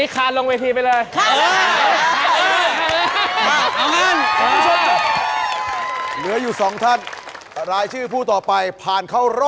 คุณตักได้เท่าไหร่